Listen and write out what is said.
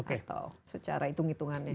atau secara hitung hitungannya